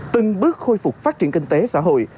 từng bước khôi phục phát triển kinh tế xã hội